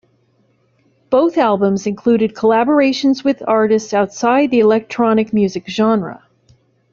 Both albums included collaborations with artists outside the electronic music genre.